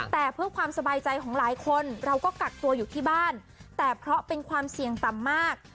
แต่เพื่อความสบายใจของหลายคนเราก็กักตัวอยู่ที่บ้านแต่เพราะเป็นความเสี่ยงต่ำมาก